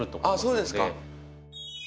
あそうですか。